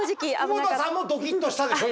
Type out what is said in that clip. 久保田さんもドキッとしたでしょ